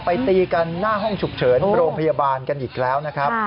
ตีกันหน้าห้องฉุกเฉินโรงพยาบาลกันอีกแล้วนะครับ